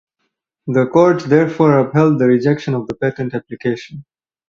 The court therefore upheld the rejection of the patent application.